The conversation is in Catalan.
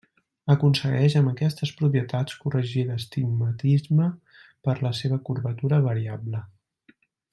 Aconsegueix amb aquestes propietats corregir l'astigmatisme per la seva curvatura variable.